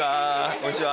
こんにちは